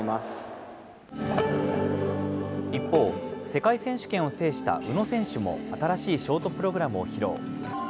世界選手権を制した宇野選手も、新しいショートプログラムを披露。